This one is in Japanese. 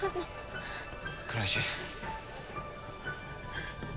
倉石。